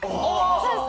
そうです。